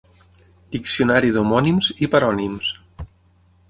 Diccionari d'homònims i parònims.